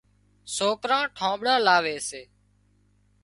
سوڪران ٺانۮڙان لاوي سي